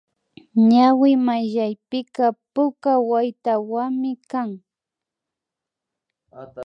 Ñawi mayllapika puka waytawami kan